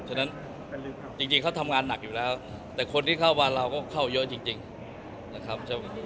ฉะนั้นจริงเขาทำงานหนักอยู่แล้วแต่คนที่เข้ามาเราก็เข้าเยอะจริงนะครับ